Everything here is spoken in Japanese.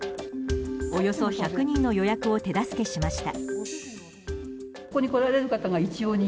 およそ１００人の予約を手助けしました。